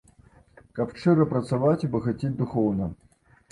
Каб шчыра працаваць і багацець духоўна.